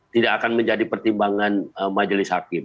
tidak akan menjadi pertimbangan majelis hakim